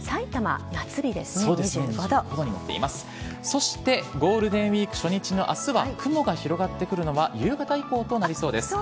そしてゴールデンウイーク初日の明日は雲が広がってくるのは夕方以降となりそうです。